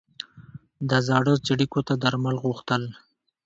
د زړه څړیکو ته درمل غوښتل.